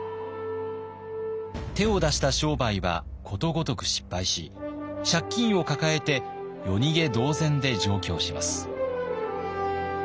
手を出した商売はことごとく失敗し借金を抱えて夜逃げ同然で上京します。